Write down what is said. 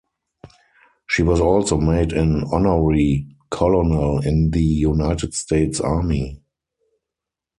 She was also made an honorary colonel in the United States Army.